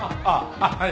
あっはい。